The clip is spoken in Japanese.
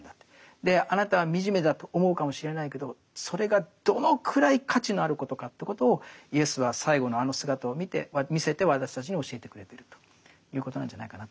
あなたは惨めだと思うかもしれないけどそれがどのくらい価値のあることかということをイエスは最後のあの姿を見て見せて私たちに教えてくれてるということなんじゃないかなと思いますけどね。